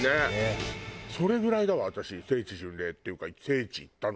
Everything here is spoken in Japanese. それぐらいだわ私聖地巡礼っていうか聖地行ったの。